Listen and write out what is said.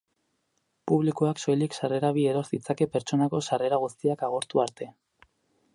Publikoak soilik sarrera bi eros ditzake pertsonako sarrera guztiak agortu arte.